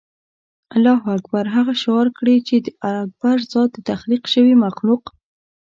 الله اکبر هغه شعار کړي چې د اکبر ذات د تخلیق شوي مخلوق.